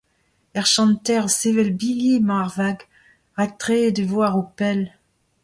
Er chanter sevel bigi emañ ar vag, ratreet e vo a-raok pell.